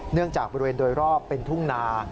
จากบริเวณโดยรอบเป็นทุ่งนา